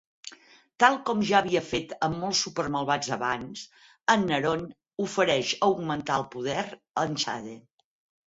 Tal com ja havia fet amb molts supermalvats abans, en Neron ofereix augmentar el poder a en Shade.